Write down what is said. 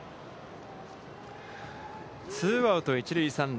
ツーアウト、一塁三塁。